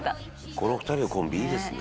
「この２人のコンビいいですね」